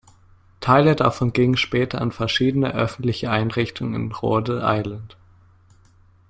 Teile davon gingen später an verschiedene öffentliche Einrichtungen in Rhode Island.